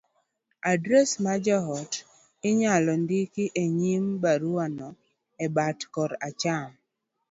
adres ma jaote inyalo ndiko e nyim baruano, e bat koracham,